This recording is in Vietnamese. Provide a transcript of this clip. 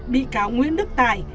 bị cáo nguyễn đức tài